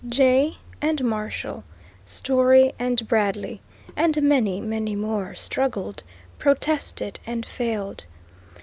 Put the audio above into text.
Jay and Marshall, Story and Bradley, and many, many more, struggled, protested, and failed.